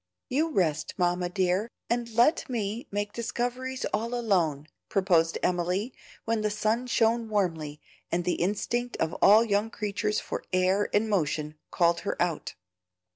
You rest, Mamma dear, and let me make discoveries all alone," proposed Emily, when the sun shone warmly, and the instinct of all young creatures for air and motion called her out.